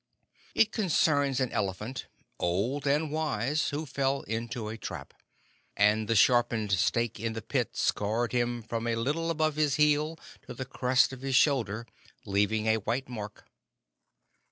"It concerns an elephant, old and wise, who fell into a trap, and the sharpened stake in the pit scarred him from a little above his heel to the crest of his shoulder, leaving a white mark."